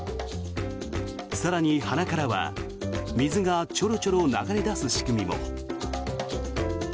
更に鼻からは水がチョロチョロ流れ出す仕組みも。